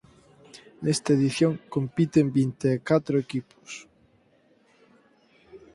Nesta edición compiten vinte e catro equipos.